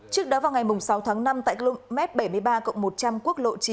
trước đó vào ngày sáu tháng năm tại lúc m bảy mươi ba cộng một trăm linh quốc lộ chín